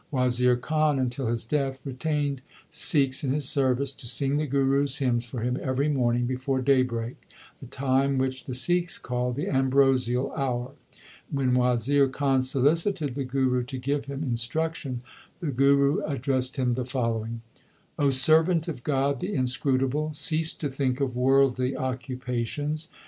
Wazir Khan until his death retained Sikhs in his service to sing the Guru s hymns for him every morning before day break, a time which the Sikhs call the ambrosial hour. When Wazir Khan solicited the Guru to give him in struction the Guru addressed him the following : servant of God the Inscrutable, Cease to think of worldly occupations.